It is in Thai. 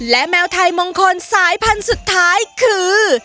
และแมวไทยมงคลสายพันธุ์สุดท้ายคือ